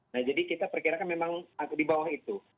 nah jadi kita perkirakan memang di bawah itu